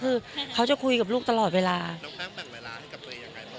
คือเขาจะคุยกับลูกตลอดเวลาน้องแป้งแบ่งเวลาให้กับตัวเองยังไงบ้าง